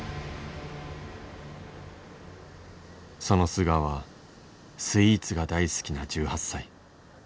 その素顔はスイーツが大好きな１８歳。